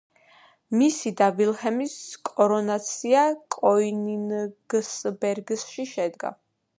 მისი და ვილჰელმის კორონაცია კოინინგსბერგში შედგა.